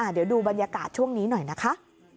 เดี๋ยวดูบรรยากาศช่วงนี้หน่อยนะคะ